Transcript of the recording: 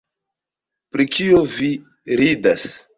Pri kio vi ridas?